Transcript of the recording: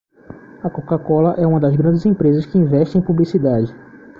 A coca cola é uma das grandes empresas que investem em publicidade